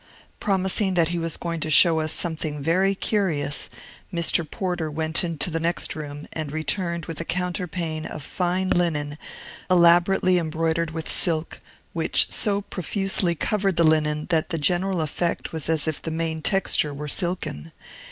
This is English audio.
Premising that he was going to show us something very curious, Mr. Porter went into the next room and returned with a counterpane of fine linen, elaborately embroidered with silk, which so profusely covered the linen that the general effect was as if the main texture were silken.